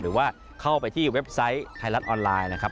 หรือว่าเข้าไปที่เว็บไซต์ไทยรัฐออนไลน์นะครับ